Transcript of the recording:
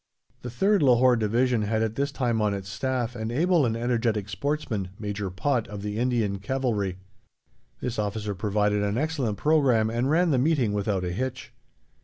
The 3rd Lahore Division had at this time on its Staff an able and energetic sportsman, Major Pott, of the Indian Cavalry; this officer provided an excellent programme and ran the meeting without a hitch.